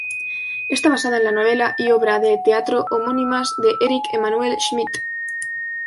Está basada en la novela y obra de teatro homónimas, de Éric-Emmanuel Schmitt.